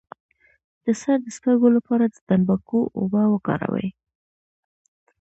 د سر د سپږو لپاره د تنباکو اوبه وکاروئ